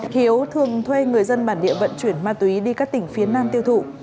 hiếu thường thuê người dân bản địa vận chuyển ma túy đi các tỉnh phía nam tiêu thụ